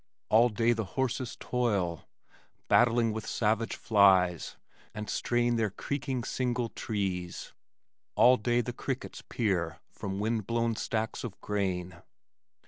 All day the horses toil, Battling with savage flies, and strain Their creaking single trees. All day The crickets peer from wind blown stacks of grain.